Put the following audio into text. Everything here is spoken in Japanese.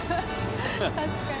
確かに。